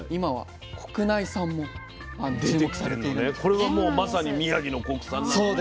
これはもうまさに宮城の国産なのね。